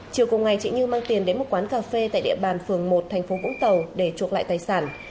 chiều cùng ngày chị như mang tiền đến một quán cà phê tại địa bàn phường một thành phố vũng tàu để chuộc lại tài sản